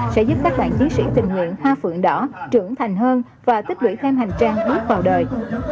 sẽ giúp các bạn chiến sĩ tình nguyện hoa phượng đỏ trưởng thành hơn và tích lũy thêm hành trang bước vào đời